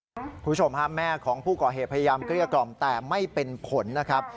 คุณผู้ชมฮะแม่ของผู้ก่อเหตุพยายามเกลี้ยกล่อมแต่ไม่เป็นผลนะครับ